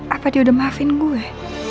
apa dia udah maafin gue